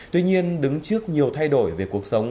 tuy nhiên đứng trước nhiều thay đổi về cuộc sống